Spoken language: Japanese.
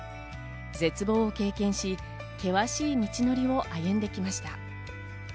絶望を経験し、険しい道のりを歩んできました。